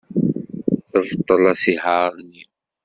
Tebṭel asihaṛ-nni.